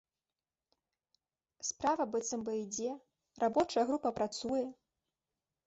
Справа, быццам бы, ідзе, рабочая група працуе.